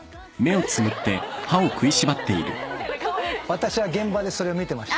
私は現場でそれを見てました。